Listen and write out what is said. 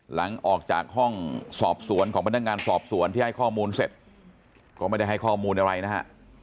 หลังจากออกจากห้องสอบสวนของพนักงานสอบสวนที่ให้ข้อมูลเสร็จก็ไม่ได้ให้ข้อมูลอะไรนะฮะ